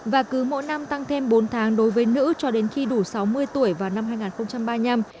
và cứ mỗi năm tăng thêm bốn tháng đối với nữ cho đến khi đủ sáu mươi tuổi vào năm hai nghìn ba mươi năm